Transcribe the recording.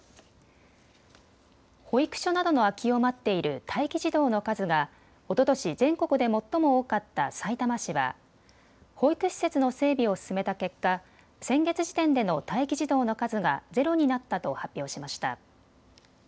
保育所などの空きを待っている待機児童の数がおととし全国で最も多かったさいたま市は保育施設の整備を進めた結果、先月時点での待機児童の数がゼロになったと発表しました。